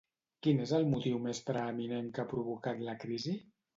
Quin és el motiu més preeminent que ha provocat la crisi?